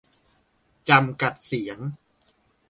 -จำกัดเสียง